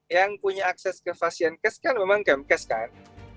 yang punya akses ke fasilitas layanan kesehatan kan memang kmks kan